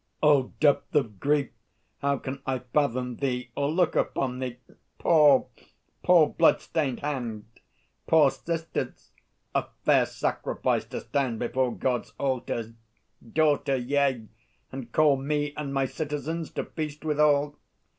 O depth of grief, how can I fathom thee Or look upon thee! Poor, poor, bloodstained hand! Poor sisters! A fair sacrifice to stand Before God's altars, daughter; yea, and call Me and my citizens to feast withal!